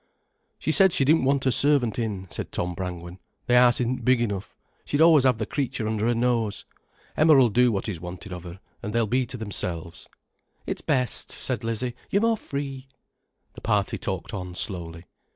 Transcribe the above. "She said she didn't want a servant in," said Tom Brangwen. "The house isn't big enough, she'd always have the creature under her nose. Emma'll do what is wanted of her, an' they'll be to themselves." "It's best," said Lizzie, "you're more free." The party talked on slowly.